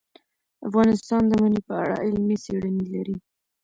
افغانستان د منی په اړه علمي څېړنې لري.